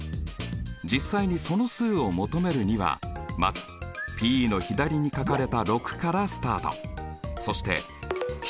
実際にその数を求めるにはまずＰの左に書かれた６からスタート。